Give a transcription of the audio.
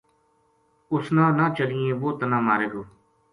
اس نا نہ چلنیے وہ تنا مارے گو‘‘